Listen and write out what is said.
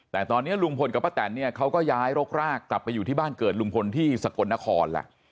แต่ตอนนี้ลุงพลกับป้าแตนเนี่ยเขาก็ย้ายรกรากกลับไปอยู่ที่บ้านเกิดลุงพลที่สกลนครล่ะ